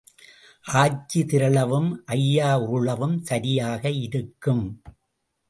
ஆச்சி திரளவும் ஐயா உருளவும் சரியாக இருக்கும்.